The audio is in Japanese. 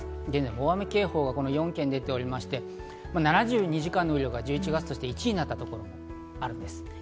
大雨警報が４県に出ていまして、７２時間の雨量が１１月として１位になったところもあるんです。